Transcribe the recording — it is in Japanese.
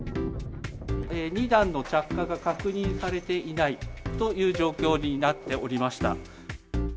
２段の着火が確認されていないという状況になっておりました。